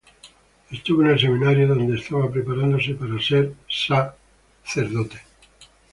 Estuvo en el seminario, donde estaba preparándose para ser sacerdote.